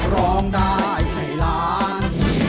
ร้องได้ให้ล้าน